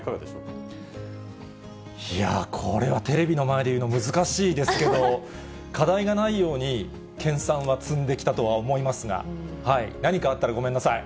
いやー、これはテレビの前で言うの、難しいですけど、課題がないように、けんさんは積んできたとは思いますが、何かあったらごめんなさい。